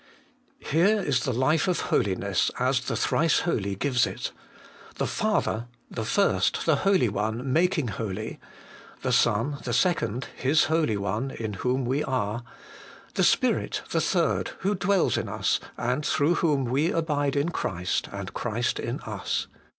Here is the life of holiness as the Thrice Holy gives it : the Father, the first, the Holy One, making holy ; the Son, the second, His Holy One, in whom we are ; the Spirit, the third, who dwells in us, and through whcm we abide in Christ, and Christ in us.